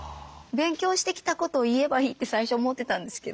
勉強してきたことを言えばいいって最初思ってたんですけど